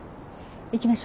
行きましょう。